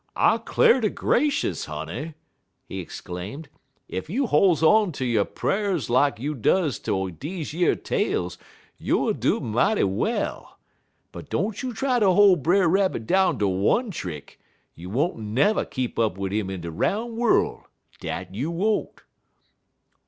"I 'clar' ter gracious, honey!" he exclaimed, "ef you hol's on ter yo' pra'rs lak you does ter deze yer tales youer doin' mighty well. But don't you try ter hol' Brer Rabbit down ter one trick, you won't never keep up wid 'im in de 'roun' worl' dat you won't.